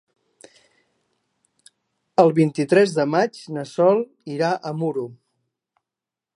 El vint-i-tres de maig na Sol irà a Muro.